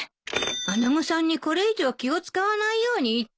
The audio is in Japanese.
穴子さんにこれ以上気を使わないように言って。